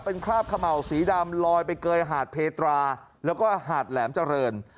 เป็นคราบเขม่าวสีดำลอยไปเกยหาดเพตราแล้วก็หาดแหลมเจริญ